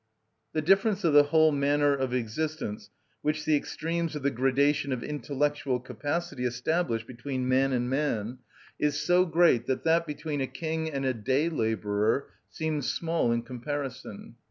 The difference of the whole manner of existence which the extremes of the gradation of intellectual capacity establish between man and man is so great that that between a king and a day labourer seems small in comparison.